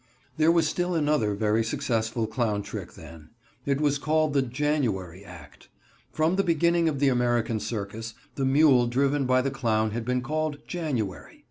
There was still another very successful clown trick then. It was called the "January Act." From the beginning of the American circus, the mule driven by the clown has been called "January."